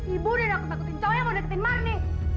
ibu rina aku takutin cowok yang mau deketin marni